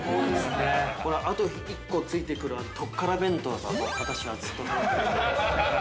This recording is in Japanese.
◆これ、あと１個ついてくる特から弁当を私はずっと食べていたので。